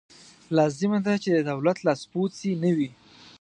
لازمه ده چې د دولت لاسپوڅې نه وي.